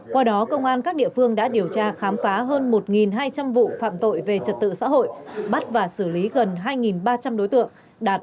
qua đó công an các địa phương đã điều tra khám phá hơn một hai trăm linh vụ phạm tội về trật tự xã hội bắt và xử lý gần hai ba trăm linh đối tượng đạt tám mươi bảy tám